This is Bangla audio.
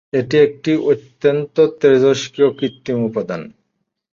এটি একটি অত্যন্ত তেজস্ক্রিয় কৃত্রিম উপাদান।